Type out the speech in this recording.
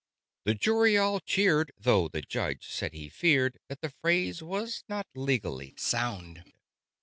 The Jury all cheered, though the Judge said he feared That the phrase was not legally sound.